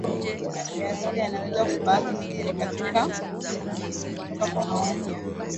ya asili yanaweza kubaki siri kutoka kwa maoni ya